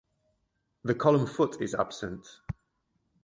The column foot is absent.